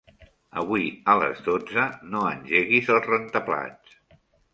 Avui a les dotze no engeguis el rentaplats.